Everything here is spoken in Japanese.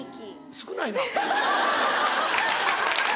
少ないな。